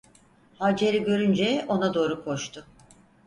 Hacer'i görünce ona doğru koştu.